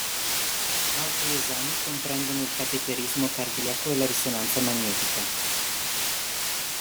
Altri esami comprendono il cateterismo cardiaco e la risonanza magnetica.